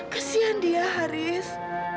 kesian dia haris